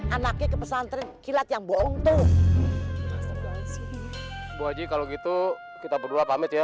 anaknya ke pesantren hilad yang bohong sorang hai h contra siq to hok gitu kita berdoa pamit ya